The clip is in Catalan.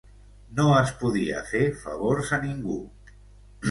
No es podia fer favors a ningú.